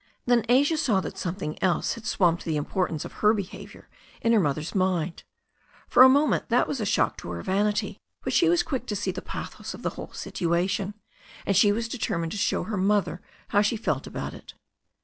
Then Asia saw that something else had swamped the im portance of her behaviour in her mother's mind. For a moment that was a shock to her vanity, but she was quick to see the pathos of the whole situation, and she was deter mined to show her mother how she felt about it.